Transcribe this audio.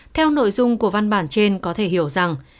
theo nội dung của văn bản trên có thể hiểu rằng